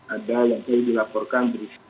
ada yang tadi dilaporkan